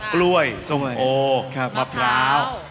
กล้วยส้มโอมะพร้าว